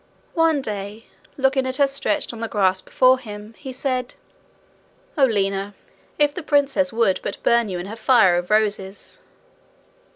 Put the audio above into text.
One day, looking at her stretched on the grass before him, he said: 'Oh, Lina! If the princess would but burn you in her fire of roses!'